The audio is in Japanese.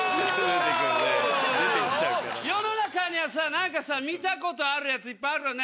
世の中にはさ何かさ見たことあるやついっぱいあるよね。